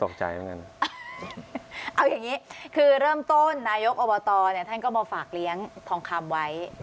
เอาอย่างนี้คือเริ่มต้นนายกอบตเนี่ยท่านก็มาฝากเลี้ยงทองคำไว้